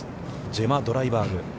ジェマ・ドライバーグ。